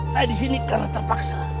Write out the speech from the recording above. saya di sini karena terpaksa